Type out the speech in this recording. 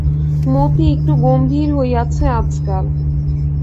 মতি একটু গম্ভীর হইয়াছে আজকাল।